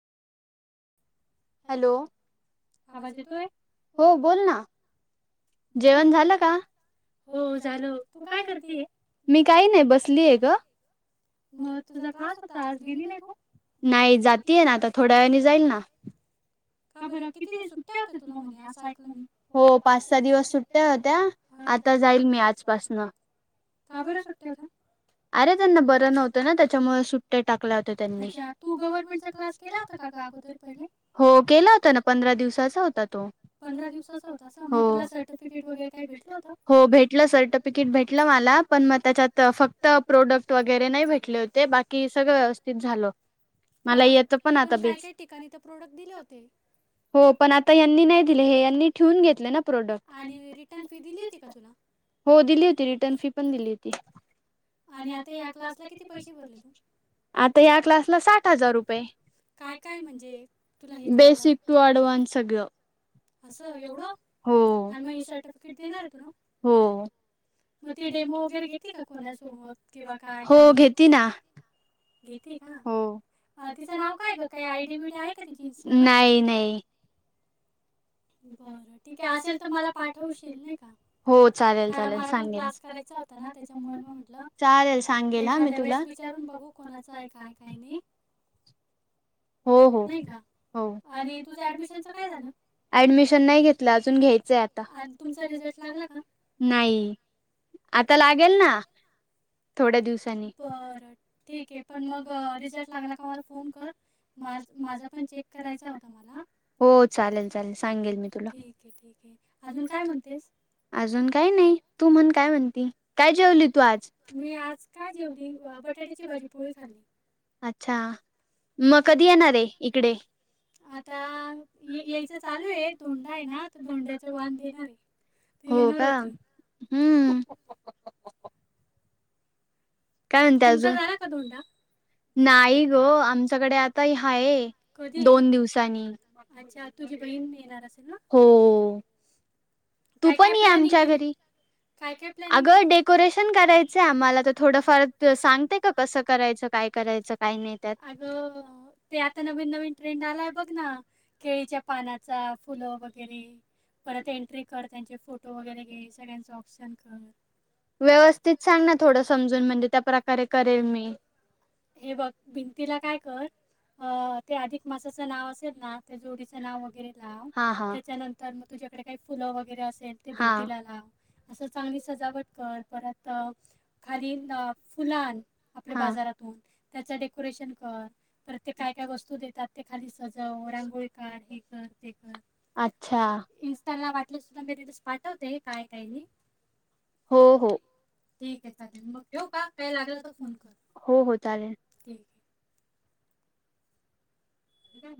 Hello आवाज येतोय? हो बोल ना. जेवण झालं का? हो झाल. तू काय करतीय? मी काही नाही बसली आहे ग. मग तुझा क्लास होता आज. गेली नाही तू? नाही जातीय ना आता थोड्या वेळेने जाईन ना. का बरं किती दिवस सुट्टया होत्या तुला म्हणे या साईटमध्ये. हो पाच सहा दिवस सुट्टया होत्या. आता जाईल मी आजपासनं. का बरं सुट्टया होत्या? अरे त्यांना बरं नव्हतं ना त्याच्यामुळं सुट्टया टाकल्या होत्या. अच्छा तो गव्हर्नमेंटचा क्लास- - केला होतां का ग अगोदर पहिले? हो. केला होता ना पंधरा दिवसाचा होता तो. पंधरा दिवसाचा होता का? हो. मग सर्टिफिकेट वैगेरे काय भेटलं होत? हो भेटलं सर्टफिकीट भेटलं मला, पण म त्याच्यात फक्त प्रोडक्ट वगैरे नाही भेटले होते बा कि सगळ अस्थित झाल मला येतं पण आता बीस ठिकाणी ते प्रोडक्ट दिले होते. हो पण आता यांनी नाही दिले. हे यांनी ठेवून घेतले ना प्रोडक्ट. हो दिली होती रिटर्न फी पण दिली होती. आणि आता या क्लासला किती पैसे भरले तू? आता या क्लासला साठ हजार रुपये. काय काय म्हणजे? बेसिक टू अडव्हान्स सगळ. आसं एवढं? हो. आणि मग सर्टिफिकेट देणार आहेत का मग? हो. म ते डेमो वगैरे घेती का? कोणासोबत किंवा काय काय - नाही? हो घेती ना. घेतीय का? अ तिचं नाव काय का काय आय डी बीय डी आहे का तीची इं नाही -नाही. [inaudible] बरं ठीक आहे. असेल तर मला पाठवशील नाही का? कारण मला पण क्लास करायचा होता. त्याच्यामुळे म म्हंटलं एखाद्या वेळेस विचारून बघू कोणाच आहे काय काही नाही. [inaudible] हो - हो. नाही का? हो. आणि तुझ्या ऍडमिशनच काय झालं? ॲडमिशन नाही घेतलं अजून. घ्यायचंय आता. आता तुमचा रिझल्ट लागला का? नाही. आता लागेल ना? थोड्या दिवसांनी. बर ठीक आहे पण मग रिझल्ट लागला का मला फोन कर. माझ - माझा पण चेक करायचा होता ना? हो चालेल - चाले ठीके ठीके. अजून काय म्हणतेस? काय नाही तू म्हण काय म्हणते. काय जेवली तू आज? मी आज काय जेवली? बटाट्याची भाजी - पोळी खाल्ली. अच्छा! मग कधी येणार आहे इकडे. आता यायचं चालू आहे. धोंडा आहे ना? धोंड्याच वाण देणार. हो का? हम्म तुमचा झाला का धोंडा? नाही ग आमच्याकडे आता हाये, कधी,, दोन दिवसा अच्छा, तुझी बहीण येणार असेल ना, हो. काय काय प्लॅनिंग केले काय काय प्लॅनिंग केलं, अगं डेकोरेशन करायचंय आम्हाला तर थोडं तर सांगते का कसं करायचं काय करायचं काय नाही, अगं ते आता नवीन नवीन ट्रेंड आला आहे बघ ना, केळीच्या पानाचा फुलं वगैरे परत एंट्री कर, त्यांचे फोटो वगैरे घे, सगळ्यांच औक्षन कर. व्यवस्थित सांग ना थोडं समजून, म्हणजे त्या प्रकारे करेल मी. हे बघ, भिंतीला काय कर अ ते अधिक मासाचं नाव असेल ना ते जोडीचं नाव वगैरे लाव, हां हां, त्याच्यानंतर तर मग तुझ्याकडे काही फुलं वगैरे असेल ते भिंतीला लाव, असं चांगली सजावट कर, परत खाली फुलं आन, आपल्या बाजारातून, त्याचं डेकोरेशन कर, परत ते काय काय वस्तू देतात ते खाली सजव, रांगोळी काढ हे कर ते कर. अच्छा, इस्टला वाटलं तर रील्स पाठवते, काय काही नाही हो हो ठीक आहे. चालेल मग ठेवु का, काय लागलं तर फोन कर, हो हो चालेल ठीक आहे. ह